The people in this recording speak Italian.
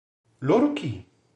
Loro chi?